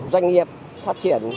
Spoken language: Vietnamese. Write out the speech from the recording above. doanh nghiệp phát triển